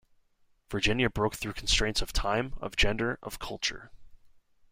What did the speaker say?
Virginia broke through constraints of time, of gender, of culture.